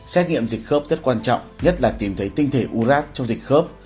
xét nghiệm dịch khớp rất quan trọng nhất là tìm thấy tinh thể u rác trong dịch khớp